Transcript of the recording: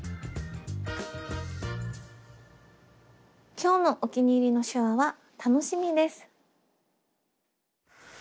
今日のお気に入りの手話は「楽しみ」です。